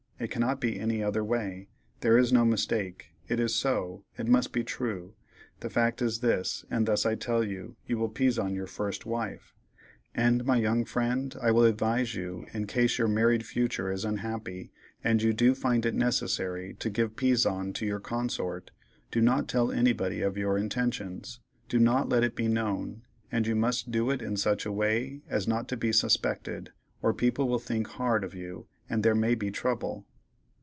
It cannot be any other way; there is no mistake; it is so; it must be true; the fact is this, and thus I tell you, you will pizon your first wife. And, my young friend, I will advise you, in case your married futur' is unhappy, and you do find it necessary to give pizon to your consort, do not tell anybody of your intentions; do not let it be known; and you must do it in such a way as not to be suspected, or people will think hard of you, and there may be trouble."